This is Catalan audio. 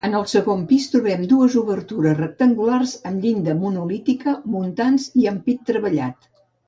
En el segon pis trobem dues obertures rectangulars amb llinda monolítica, muntants i ampit treballat.